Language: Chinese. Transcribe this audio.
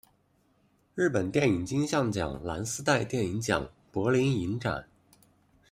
日本电影金像奖蓝丝带电影奖柏林影展